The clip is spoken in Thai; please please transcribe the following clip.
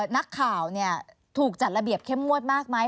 นักข่าวถูกจัดระเบียบเข้มงวดมากไหม